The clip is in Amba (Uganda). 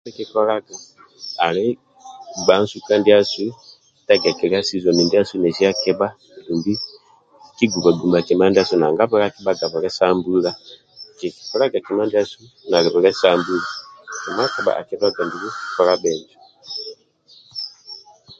Ndie kikola ali gba nsuka ndiasu tegekilia sizoni ndiasu nesi akibha dumbi kiguba guba kima ndia bwile sa mbula ki kikolaga kima ndiasu nali bwile sa mbula injo akibhaga ndulu kikola bhinjo